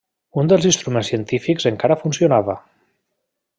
Un dels instruments científics encara funcionava.